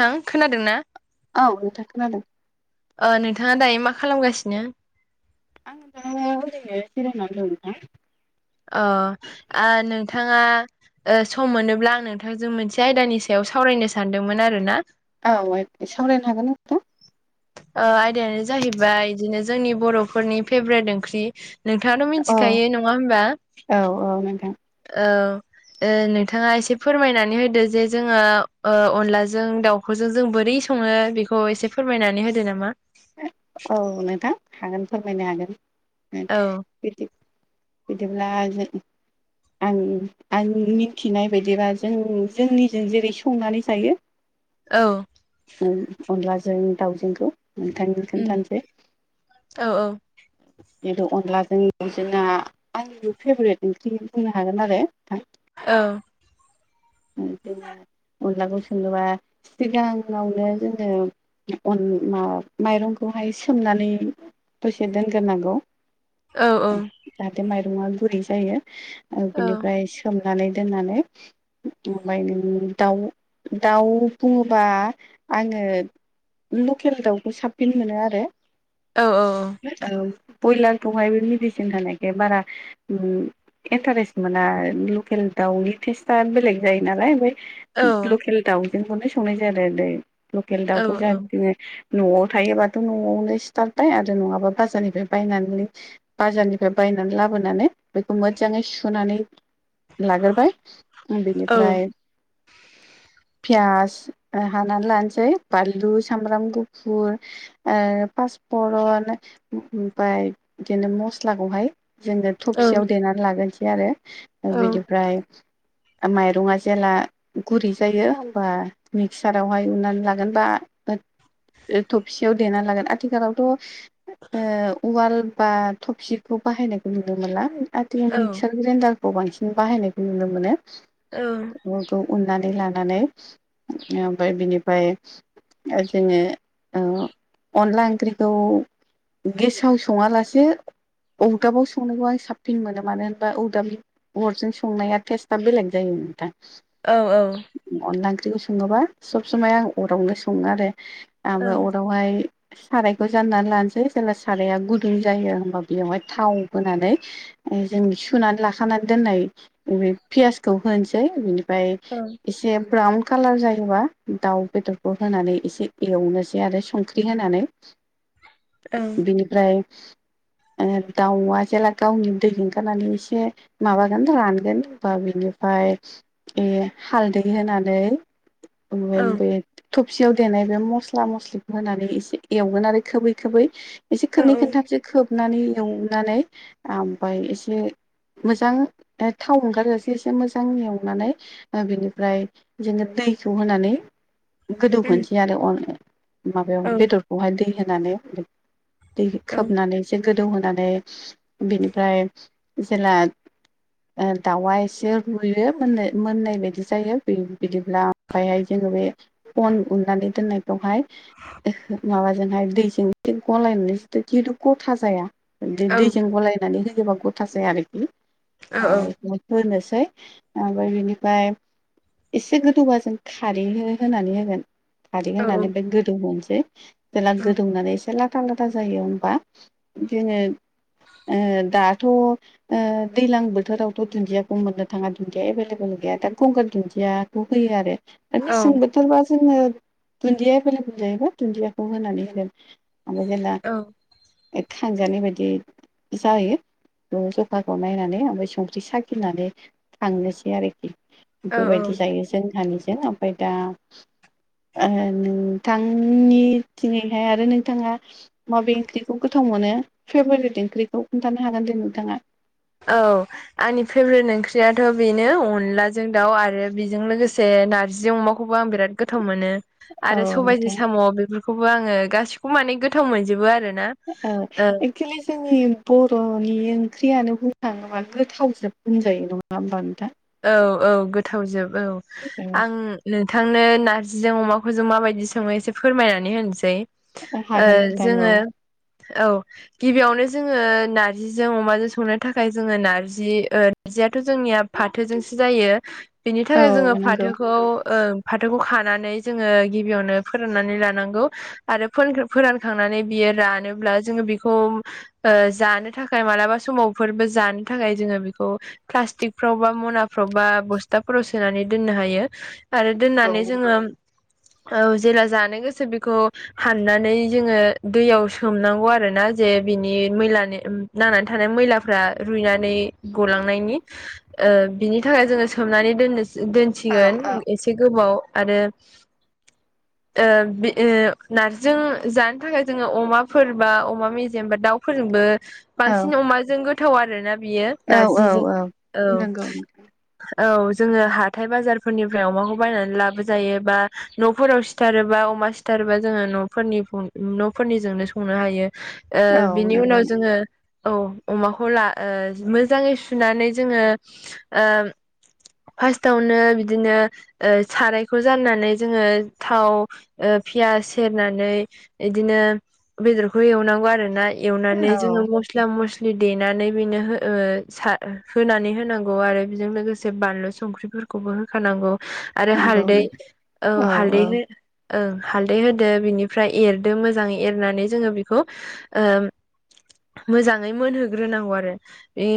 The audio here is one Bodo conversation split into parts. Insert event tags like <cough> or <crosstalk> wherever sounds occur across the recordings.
नों खोनादों ना औ नोंथां खोनादों ओ नोंथाङा दायो मा खालामगासिनो आं न'आवनो ओरैनो जिरायनानै दं नोंथां अ ओ नोंथाङा ओ सम मोनोब्ला आं नोंथांजों मोनसे आयदानि सायाव सावरायनो सानदोंमोन आरोना औ सावरायनो हागोन ना नोंथां ओ आयदायानो जाहैबाय बिदिनो जोंनि बर'फोरनि फेभरेट ओंख्रि नोंथाङाथ' औ मिथिखायो नङा होमबा औ औ नोंथां। औ ओ नोंथाङा एसे फोरमायनानै होदो जे जोङो अनलाजों दाउ खौजों जों बोरै सङो बेखौ एसे फोरमायनानै होदो नामा औ नोंथां हागोन फोरमायनो हागोन औ बिदि बिदिब्ला जों आं आं मिन्थिनाय बायदिबा जों जोंनिजों जेरै संनानै जायो औ औ अनलाजों दाउजोंखौ नोंथांनो उम खोनथानोसै औ औ जिथु अनलाजों दाउजोंआ आंनिबो फेभरेट ओंख्रि बुंनो हागोन आरो नोंथां औ अनलाखौ सोङोबा सिगाङावनो जोङो अन मा माइरंखौहाय सोमनानै दसे दोनगोरनांगौ औ जाहाथे माइरङा गुरै जायो ओ औ बेनिफ्राय सोमनानै दोननानै <unintelligible> दाउ दाउ बुङोबा आङो लकेल दाउखौ साबफिन मोनो आरो। औ औ औ। औ ब्रयलारखौहाय बे मेडिसिन होनायखाय बारा इन्टारेस्ट मोना लकेल दाउनि टेस्ट दा बेलेग जायो नालाय <unintelligible> औ लकेल दाउजोंखौनो संनाय जायो <unintelligible> लकेल दाउखौ औ जा औ जोङो न'आव थायोबाथ' न'आवनो सिथारबाय आरो नङाबा बाजारनिफ्राय बायनानै बाजारनिफ्राय बायनानै लाबोनानै बेखौ मोजाङै सुनानै लाग्रोबाय। औ बिनिफ्राइ पियास हानानै लानोसै बानलु सामब्राम गुफुर। ओ पासफरन ओमफाय बिदिनो मस्लाखौहाय जोङो औ थबसियाव देनानै लाग्रोनोसै आरो औ बिनिफ्राय माइरंआ जेला गुरै जायो होनबा मिक्सारावहाय उनानै लागोनबा थबसियाव देना लागोन आथिखालावथ' ओ उवाल बा थफसिखौ बाहायनायखौ नुनो मोनला। आथि औ मिक्सार ग्राइन्डारखौ बांसिन बाहायनायखौ नुनो मोनो। औ। <unintelligible> उननानै लानानै ओमफाय बिनिफाय जोङो ओ अनला ओंख्रिखौ गेसाव सङा लासे औदाबाव संनायखौ आं साबफिन मोनो मानो होनबा औदाबनि अरजों संनाया टेस्ट। आ बेलेग जायो नोंथां। औ औ। अनला ओंख्रिखौ सङोबा सब समाय आं अरावनो सङो आरो ओमफाय अरावहाय सारायखौ जाननानै लानोसै जेला साराया गुदुं जायो होनबा बेयावहाय थाव होनानै ओ जों सुनानै लाखानानै दोननाय बे पियासखौ होनसै बिनिफ्राय औ। एसे ब्राउन कालार जायोबा दाउ बेदरखौ होनानै एसे एवनोसै आरो संख्रि होनानै। <inaudible> बेनिफ्राय ओ दाउआ जेला गावनि दै ओंखारनानै एसे माबागोन रानगोन। बा बिनिफाय ए हालदै होनानै औ उम <unintelligible> थबसियाव देनाय बे मस्ला मस्लिखौ होनानै एसे एवगोन आरो खोबै खोबै। एसे औ खनै खोनथामसो। खोबनानै एवनानै ओमफाय एसे मोजां थाव ओंखारो। एसे एसे मोजां एवनानै ओ बिनिफ्राय जोङो दैखौ होनानै गोदौ होनसै आरो अ माबायाव बेदरखौहाय दै होनानै। दै औ खोबनानै एसे गोदौ होनानै बिनिफ्राय जेला ओ दाउ आ <unintelligible> लुयो मोननाय मोननाय बायदि जायो बिदिब्ला ओमफ्रायहाय जोङो बे अन उननानै दोननायखौहाय माबाजोंहाय दैजों एसे गलायनानै जिहेथु गथा जाया दै- दैजों गलायनानै होयोबा गथा जाया आरो <unintelligible> होनोसै ओमफाय बिनिफाय एसे गोदौबा जों खारै होनानै होगोन। खारै होनानै बे गोदौहोसै जेला गोदौनानै एसे ला। <unintelligible> जायो होमबा <unintelligible> थ' ओ दैलां बोथोरावथ' दुन्दिया मोननो थाङा दुन्दिया एभलेबेल गैया दा गंगार दुन्दियाखौ होयो आरो दा मेसेंबो सोरबा जोङो दुन्दिया बेले गुजायोबा दुन्दियाखौ होनानै होगोन। आसान जेला खांजानाय बायदि जायो ज जखाखौ नायनानै ओमफ्राय संख्रि साख फिनानै थांनोसै आरोखि औ बेबायदि जायो जोंहानिजों। ओमफ्राय दा ओ-नोंथांनि थिङैहाय आरो नोंथाङा। माबे ओंख्रिखौ गोथाव मोनो फेभरेट ओंख्रिखौ खोन्थानो हागोन दे नोंथाङा। औ आंनि फेभरेट ओंख्रियाथ बेनो अनलाजों दाउ आरो बेजों लोगोसे नारजि अमाखौ। खौबो आं बिराद गोथाव मोनो। औ आरो सबायजों नोंथां साम बेफोरखौबो आङो गासिखौबो माने गोथाव मोनजोबो आरो ना। औ एक्सुलि जोंनि बरनि ओंख्रियानो बुंखाङोबा गोथावजों होनजायो नङा होमबानोथां। औ औ गोथाव जोब औ आं। औ नोंथांनो नार्जिजों अमाखौ जों माबायदि सङो एसे फोरमायनानै होनोसै। हागोन नोंथां औ ओ-जोङो औ। गिबियावनो जोङो नार्जिजों अमाजों संनो थाखाय जोङो नार्जि नारजियाथ जोंनिया। फाथोजोंसो जायो बिनि थाखाय जोङो औ नंगौ फाथोखौ। फाथोखौ खानानै जोङो गिबियावनो फोराननानै लानांगौ। आरो फोर फोरानखांनानै बियो रानोब्ला जोङो बेखौ। ओ-जानो थाखाय मालाबा समावफोरबो जानो थाखाय जोङो बेखौ प्लास्टिक। फ्राव बा मनाफ्राव बा बस्थाफोराव सोनानै दोननो हायो आरो औ दोननानै जोङो। औ जेला जानो गोसो बेखौ। हाननानै जोङो दैयाव सोमनांगौ आरो ना जे बिनि मैलानि। नांनानै थानाय मैलाफ्रा रुइनानै गलांनायनि। ओ-बिनि थाखाय जोङो सोमनानै दोननो औ दोनसिगोन औ एस से गोबाव आरो। ओ-बि-नारजिजों जानो थाखाय जोङो अमाफोर बा अमा मेजेम बा दाउ। फोरजोंबो औ बांसिन अमाजों गोथाव आरोना बियो। औ नारजिजों औ औ। औ नंगौ औ जोङो हाथाय बाजारफोरनिफ्राय अमाखौ बायनानै लाबोजायो बा नफोराव सि सिथारोबा अमा सिथारोबा जोङो नफोरनि नफोरनिजोंनो संनो हायो। औ ओ-बिनि नंगौ उनाव जोङो औ अमाखौ ला ओ-मोजाङै सुनानै। जोङो ओ फार्स्टावनो बिदिनो सारायखौ जाननानै जोङो थाव। पियास सेरनानै इदिनो बेदरखौ एवनांगौ आर ना। एवनानै औ जोङो मस्ला मस्लि देनानै बेनो ओ-सा होनानै होनांगौ आरो बेजों लोगोसे बानलु संख्रिफोरखौबो होखानांगौ। आरो नंगौ हालदै औ हालदै हो ओं हालदै होदो बिनिफ्राय एरदो मोजाङै एरनानै जोङो बेखौ। ओ-मोजाङै मोनहोग्रोनांगौ आरो बे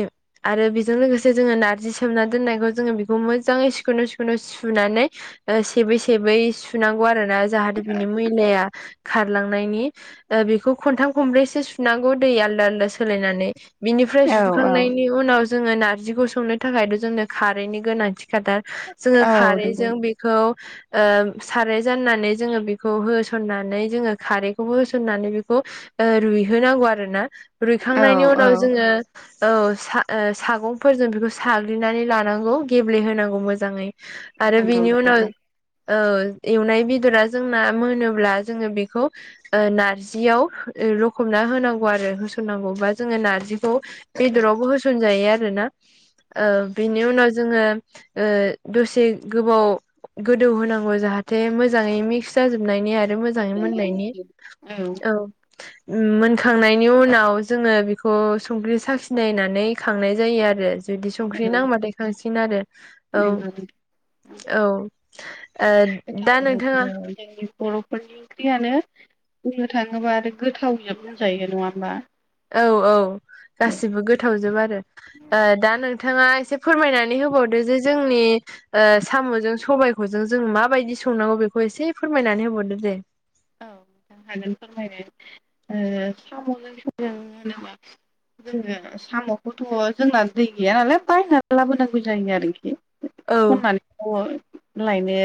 आरो बेजों लोगोसे जोङो नारजि सोमना दोननायखौ जोङो बेखौ मोजाङै सिखोनाव सिखोनाव सुनानै। ओ सेबै सेबै सुनांगौ आरो ना जाहाथे बिनि मैलाया। खारलांनायनि ओ बेखौ खनथाम खनब्रैसो सुनांगौ दै आलदा आलदा सोलायनानै बिनिफ्राय औ सुखांनायनि। उनाव जोङो नारजिखौ संनो थाखायथ जोंनो खारैनि गोनांथि खाथार। जोङो औ नंगौ खारैजों बेखौ। ओ-साराय जाननानै जोङो बेखौ होसननानै जोङो खारैखौबो होसननानै बेखौ। ओ रुइहोनांगौ आरो ना औ रुइखांनायनि औ उनाव जोङो औ सा ओ सागंफोरजों बेखौ साग्लिनानै लानांगौ गेब्लेहोनांगौ मोजाङै। आरो नंगौ बिनि उनाव नोंथां औ एवनाय बेदरा जोंना मोनोब्ला जोङो बेखौ ओ नारजियाव रखमना होनांगौ आरो होसननांगौ बा जोङो नारजिखौ बेदरावबो होसनजायो आरोना। ओ बिनि उनाव जोङो ओ दसे गोबाव गोदौ होनांगौ जाहाथे मोजाङै मिक्स जाजोबनायनि आ आरो मोजाङै मोननायनि औ उम मोनखांनायनि उनाव जोङो बेखौ संख्रि साखिनायनानै खांनाय जायो आरो जुदि संख्रि औ नांबाथाय खांसिगोन आरो औ नंगौ औ ओ दा गोथाव नोंथाङा जोंनि बर'फोरनि ओंख्रियानो बुंनो थाङोब्ला आरो गोथाव जोब होनजायो नङा होमबा? औ औ औ गासिबो गोथावजोब आरो। औ दा नोंथाङा एसे फोरमायनानै होबावदो जे जोंनि ओ साम'जों सबाइखौ जों जों माबायदि संनांगौ बेखौ एसे फोरमायनानै होबावदो दे। औ हागोन फोरमायनो ओ साम'जों सजों होनोबा जोङो साम'खौथ' जोंना दै गैया नालाय बायनानै लाबोनांगौ जायो आरोखि औ खननानैथ' लायनो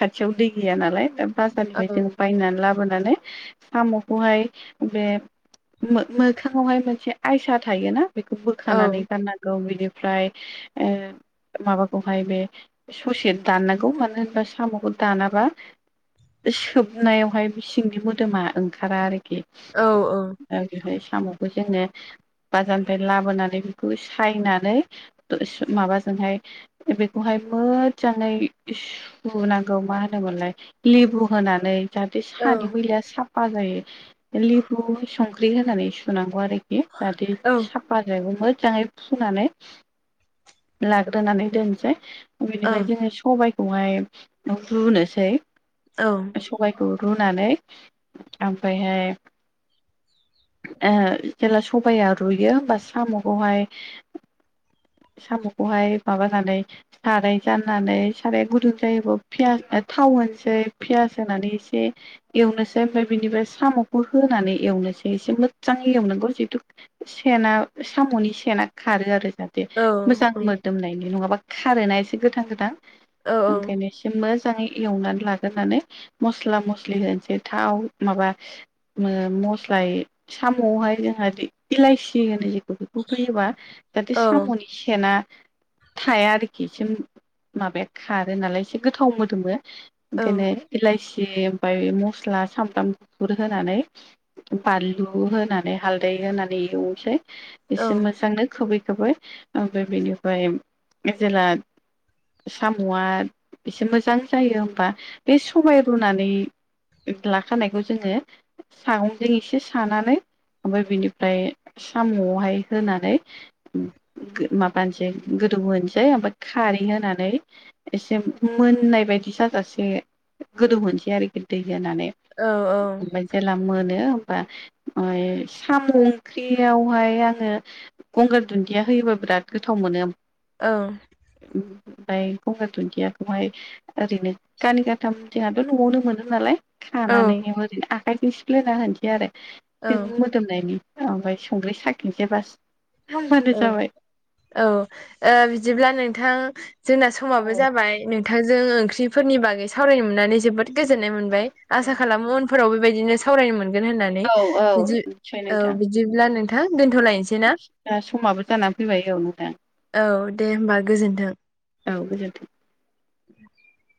खाथियाव दै गैया नालाय दा औ बाजारनिफ्राय जों बायनानै लाबोनानै साम'खौहाय बे मोखाङावहाय मोनसे आयसा थायोना बेखौ औ बोखानानै गारनानै गौ बिनिफ्राय ओ माबाखौहाय बे ससे दाननांगौ मानो होनबा साम'खौ दानाबा सोब नायावहाय बि सिंनि मोदोमा ओंखारा आरोखि औ ओं <unintelligible> बेवहाय साम'खो जोङो बाजारनिफ्राय लाबोनानै बेखौ सायनानै माबाजोंहाय बेखौहाय मोजांडै हुनांगौ मा होनोमोनलाय लेबु होनानै बे सानि औ मैलाया साफा जायो लेबु संख्रि होनानै सुनांगौ आरो बे बादि औ साब <unintelligible> मोजाङै फुनानै लाग्रोनानै दोनसै औ बेनिफ्राय जोङो सबायखौहाय रुनोसै औ सबायखौ रुनानै ओमफायहाय ओ जेला सबाया रुयो होमबा साम'खौहाय साम'खौहाय माबानानै साराय जाननानै साराय गुदुं जायोबा पियास थाव होनोसै पियास होनानै एसे एवनोसै ओमफाय बिनिफ्राय साम'खौ होनानै एवनोसै एसे मोजां एवनांगौ जितु सेना साम'नि सेना खारो आरो <unintelligible> दे मोजां मोदोमनायनि नङाबा खारोना एसे गोथां गोथान औ ओंखायनो एसे मो जाङै एवनानै लाग्रोनानै मस्ला मस्लि होनोसै थाव माबा मो मस्ला साम'आवहाय जोंहा इलाइसि होनो <unintelligible> बेफोरखौ होयोबा जाहाथे औ साम'नि सेना थाया आरोखि एसे माबाया खारो नालाय एसे गोथाव मोदोमो। ओंखायनो इलाइसि ओमफाय मस्ला सामब्राम गुफुर होनानै बानलु होनानै हालदै होनानै एवनोसै एसे औ मोजांनो खोबै खोबै ओमफ्राय बेनिफ्राय जेला साम'आ एसे मोजां जायो होमबा। बे सबाय रुनानै लाखानायखौ जोङो सागंजों एसे सानानै ओमफ्राय बिनिफ्राय साम'आवहाय होनानै माबानोसै गोदौ होनोसै ओमफ्राय खारै होनानै एसे मोननाय बायदि साजासे गोदौहसै आरोखि दै जानानै औ औ जब्ला मोनो होमबा फ्राय साम' ओंख्रियावहाय आङो गंगार दुन्दिया होयोबा बिराद गोथाव मोनो ओ ओमफ्राय गंगार दुन्दियाखौहाय ओरैनो गानै गा थामथिंहाथ' न'आवनो मोनो नालाय औ खानानैबो ओरैनो आखाइजों सिफ्लेना होनोसै आरो औ जों मोदोमनायनि ओमफ्राय संख्रि साखेनसै बास होमबानो औ जाबाय औ बिदिब्ला नोंथां जोंना औ समाबो जाबाय नों मोथाजों ओंख्रिफोरनि बागै सावरायनो मोननानै जोबोद गोजोननाय मोनबाय आसा गोजोन खालामो फोराव बेबायदिनो सावरायनो मोनगोन होननानै औ औ बिदि निसय औ नोंथां बिदिब्ला नोंथां दोनथ'लायनोसै ना दा समाबो जानानै फैबाय औ नोंथां औ दे होमबा गोजोन्थों औ गोजोन्थों उ